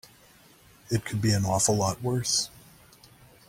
It could be an awful lot worse.